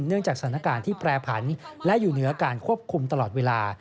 จากสถานการณ์ที่แปรผันและอยู่เหนือการควบคุมตลอดเวลา